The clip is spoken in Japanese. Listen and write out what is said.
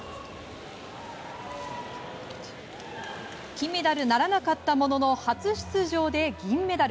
金メダルならなかったものの初出場で銀メダル。